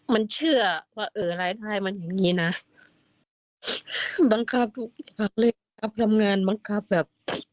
มันเชื่อว่าเออรายได้มันอย่างนี้นะบังคับทุกอย่างเลยครับทำงานบังคับแบบ